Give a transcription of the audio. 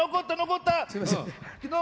すいませんあの。